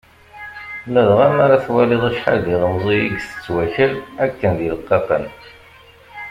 Ladɣa mi ara twaliḍ acḥal d ilemẓi i itett wakal akken d ileqqaqen.